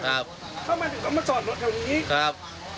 เข้ามาถึงก็มาจอดรถแถวนี้ครับ